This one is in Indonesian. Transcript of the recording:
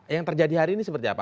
yang terjadi hari ini seperti apa